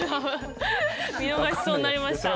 見逃しそうになりました。